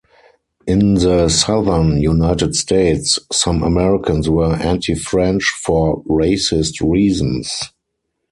In the Southern United States, some Americans were anti-French for racist reasons.